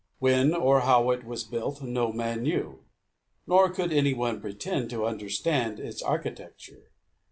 When or how it was built, no man knew; nor could any one pretend to understand its architecture.